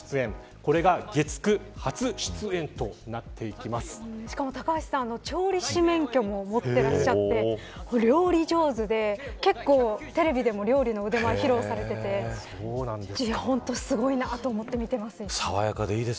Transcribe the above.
これが月９初出演としかも高橋さんは調理師免許も持ってらっしゃって料理上手で結構、テレビでも料理の腕前、披露されていて本当すごいなと思って見ています。